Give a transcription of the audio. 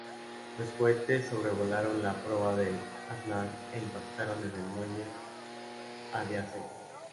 Los cohetes sobrevolaron la proa del "Ashland" e impactaron en el muelle adyacente.